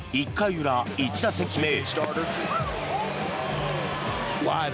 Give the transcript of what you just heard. １回裏１打席目。